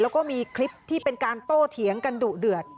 แล้วก็มีคลิปที่เป็นการโตเถียงกันดุเดือด